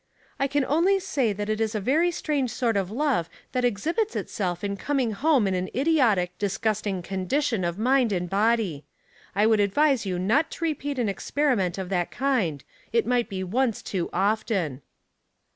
I can only say that it is a very strange sort of love that exhibits itself in coming home in an idiotic, disgusting condition of mind and body. I would advise you not to repeat an experiment of that kind — it might be once too often.''